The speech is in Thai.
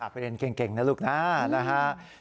ประเด็นเก่งนะลูกนะนะฮะ